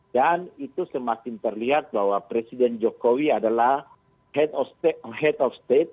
itu semakin terlihat bahwa presiden jokowi adalah head of state